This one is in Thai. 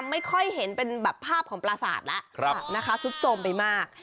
ไม่ค่อยเห็นภาพของปราสาทซุดโทมไปมาก